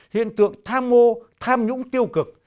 hiện tượng tham mô tham nhũng tiêu cực